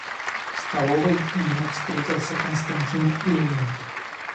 В столовой ему встретился Константин Левин.